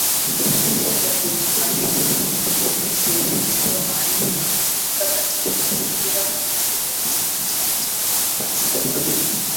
Insha za kiuamilifu ni maandishi yenye mtindo maalum na hutumika katika mazingira halisi kwa kuzingatia mtindo huo rasmi.